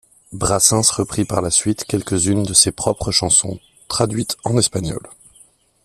Brassens reprit par la suite quelques-unes de ses propres chansons traduites en espagnol.